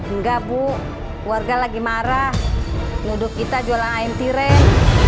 enggak bu warga lagi marah nuduk kita jualan ayam tiren